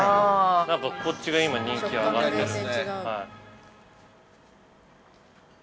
◆こっちが今、人気が上がってる。